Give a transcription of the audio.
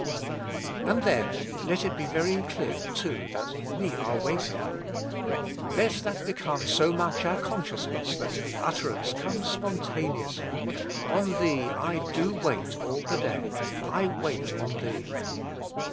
And then, let it be very clear, too, that we are waiting. Let that become so much our con sciousness that the utterance comes spontan eously, ' On Thee / do wait all the day ; I wait on Thee.'